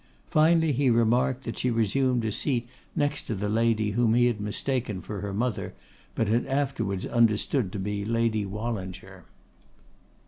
Finally he remarked that she resumed a seat next to the lady whom he had mistaken for her mother, but had afterwards understood to be Lady Wallinger.